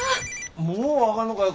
もう分がんのかよ